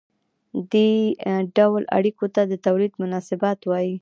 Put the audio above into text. دې ډول اړیکو ته د تولید مناسبات وايي.